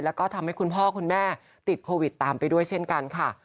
แล้วก็ทำให้คุณพ่อคุณแม่ติดโควิดตามไปด้วยเช่นกันค่ะ